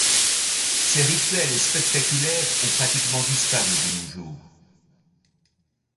Ces rituels spectaculaires ont pratiquement disparu de nos jours.